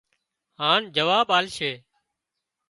هانَ جواب آلشي